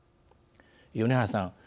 米原さん